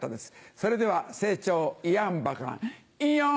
それでは『いやんばかん』。